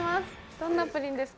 どんなプリンですか？